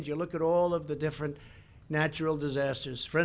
saya tidak tahu mengapa dia melakukan itu tapi dia melakukan